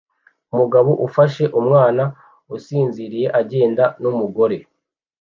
Umugabo ufashe umwana usinziriye agenda n'umugore